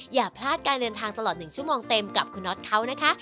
อย่าพลาดการเดินทางตลอด๑ชั่วโมงเต็มกับคุณน็อตเขานะคะ